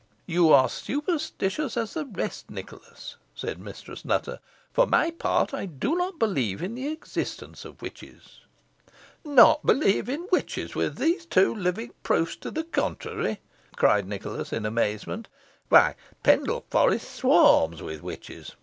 "You are superstitious as the rest, Nicholas," said Mistress Nutter. "For my part I do not believe in the existence of witches." "Not believe in witches, with these two living proofs to the contrary!" cried Nicholas, in amazement. "Why, Pendle Forest swarms with witches.